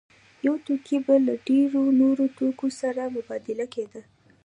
یو توکی به له ډېرو نورو توکو سره مبادله کېده